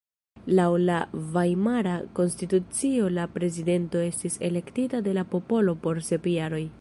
Laŭ la Vajmara Konstitucio la prezidento estis elektita de la popolo por sep jaroj.